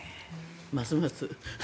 ますます。